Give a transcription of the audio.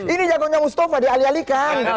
ini jago jago mustafa dialih alihkan